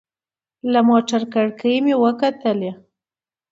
له موټر کړکۍ مې وکتلې.